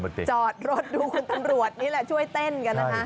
จอดรถดูคุณตำรวจนี่แหละช่วยเต้นกันนะคะ